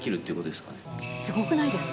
すごくないですか。